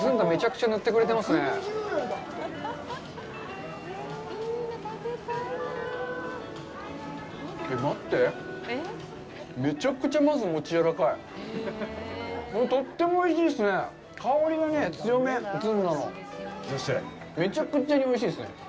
めちゃくちゃにおいしいですね。